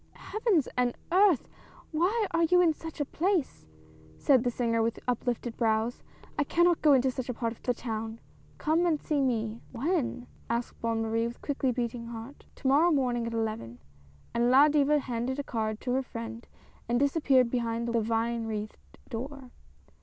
" Heavens and Earth ! why are you in such a place ?" said the singer with uplifted brows. " I cannot go into such a part of the town ; come and see me." " When ?" asked Bonne Marie with quickly beating heart. " To morrow morning at eleven !" and La Diva handed a card to her friend and disappeared behind the vine wreathed door.